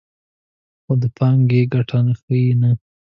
خو د پانګې ګټه ښیي نه